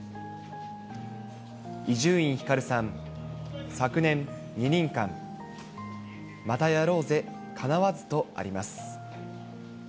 伊集院光さん、昨年、２人会、またやろうぜ、かなわずとあります。